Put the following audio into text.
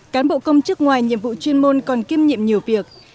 cán bộ công chức ngoài nhiệm vụ chuyên môn còn kiêm nhiệm nhiều việc